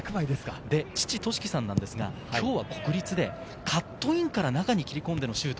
父のとしきさんですが、今日は国立でカットインから中に切り込んだシュート。